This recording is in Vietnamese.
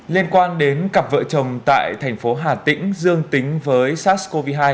liên quan đến cặp vợ chồng tại thành phố hà tĩnh dương tính với sars cov hai